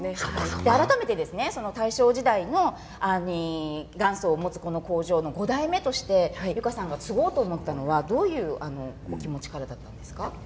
改めて大正時代に元祖を持つこの工場の５代目として由加さんが継ごうと思ったのはどういう気持ちからだったんですか。